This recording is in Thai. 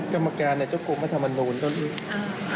กรรมการเนี่ยเจ้ากรมธรรมนูญต้นอีก